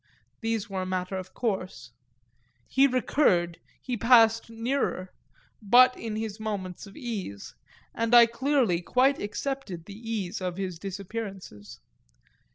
These were a matter of course he recurred, he passed nearer, but in his moments of ease, and I clearly quite accepted the ease of his disappearances.